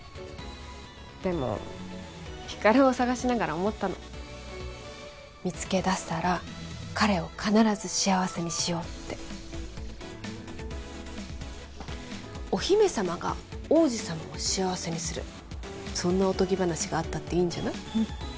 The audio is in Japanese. でも光琉を捜しながら思ったの見つけだせたら彼を必ず幸せにしようってお姫様が王子様を幸せにするそんなおとぎ話があったっていいんじゃない？